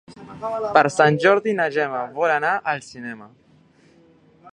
Per Sant Jordi na Gemma vol anar al cinema.